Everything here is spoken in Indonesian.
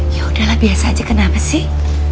yaudah lah biasa aja kenapa sih